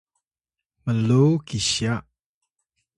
mluw kisya